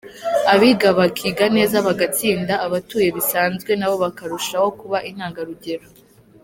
Abiga bakiga neza bagatsinda, abatuye bisanzwe nabo bakarushaho kuba intangarugero.